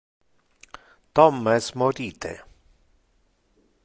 Tom es morite.